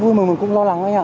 vui mình cũng lo lắng đấy hả